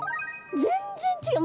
全然違う。